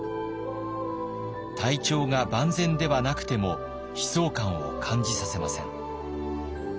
体調が万全ではなくても悲壮感を感じさせません。